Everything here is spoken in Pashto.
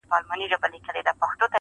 په یوه ژبه ږغېږي سره خپل دي.!